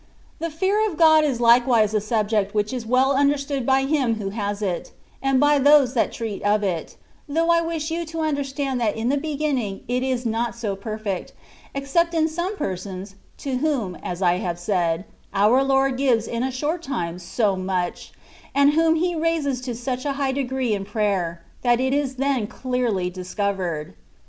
The fear of God is likewise a subject which is well understood by him who has it, and by those that treat of it, though I wish you to understand that in the beginning it is not so perfect, except in some persons, to whom (as I have said) our Lord gives in a short time so much, and whom He raises to such a high degree in prayer, that it is then clearly discovered.